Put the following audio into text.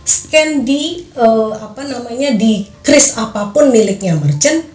scan di cris apapun miliknya merchant